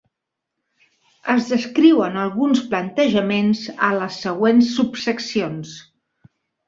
Es descriuen alguns plantejaments a les següents subseccions.